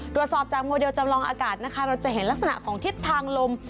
ตรวจสอบจากโมเดลจำลองอากาศนะคะเราจะเห็นลักษณะของทิศทางลม